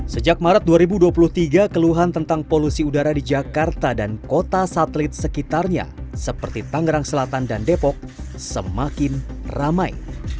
sejak maret dua ribu dua puluh tiga keluhan tentang polusi udara di jakarta dan kota satelit sekitarnya seperti tangerang selatan dan depok semakin ramai